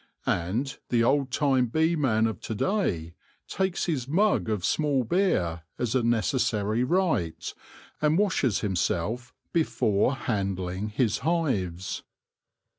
And the old time bee man of to da^/ takes his mug of small beer as a necessary rite, and washes himself before handling his hives.